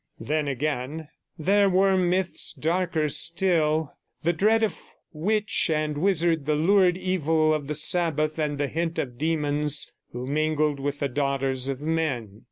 Then, again, there were myths darker still; the dread of witch and wizard, the lurid evil of the Sabbath, and the hint of demons who mingled with the daughters of men.